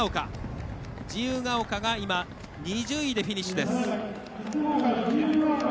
自由ケ丘、２０位でフィニッシュ。